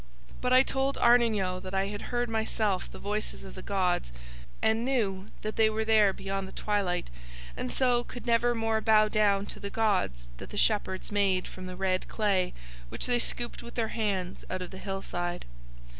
"'But I told Arnin Yo that I had heard myself the voices of the gods and knew that They were there beyond the twilight and so could never more bow down to the gods that the shepherds made from the red clay which they scooped with their hands out of the hillside.